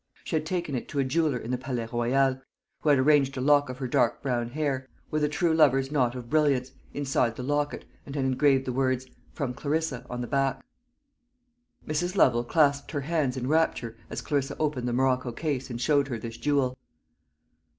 She had taken it to a jeweller in the Palais Royal, who had arranged a lock of her dark brown hair, with a true lover's knot of brilliants, inside the locket, and had engraved the words "From Clarissa" on the back. Mrs. Lovel clasped her hands in rapture as Clarissa opened the morocco case and showed her this jewel.